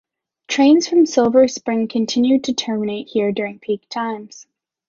Trains from Silver Spring continue to terminate here during peak times.